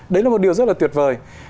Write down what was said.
đấy là một điều rất là tuyệt vời